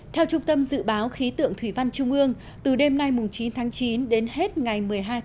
theo trung tâm dự báo khí tượng thủy văn trung ương từ đêm nay chín tháng chín đến hết ngày một mươi hai tháng chín